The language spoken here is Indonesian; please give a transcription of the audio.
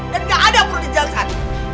dan ga ada yang perlu dijelaskan